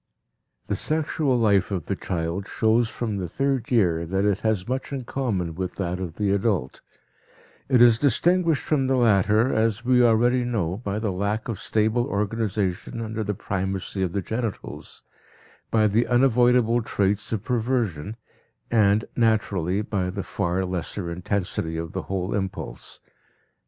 The sexual life of the child shows from the third year that it has much in common with that of the adult; it is distinguished from the latter, as we already know, by the lack of stable organization under the primacy of the genitals, by the unavoidable traits of perversion, and, naturally, by the far lesser intensity of the whole impulse.